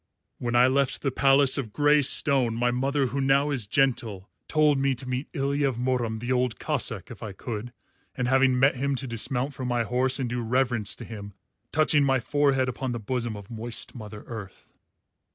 When I left the palace of grey stone my mother, who now is gentle, told me to meet Ilya of Murom the Old Cossáck if I could, and having met him to dismount from my horse and do reverence to him, touching my forehead upon the bosom of moist Mother Earth."